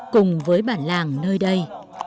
cùng với bản làng nơi đây